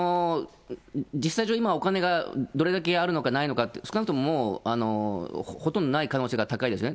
実際上、今お金がどれだけあるのかないのかって、少なくとももう、ほとんどない可能性が高いですね。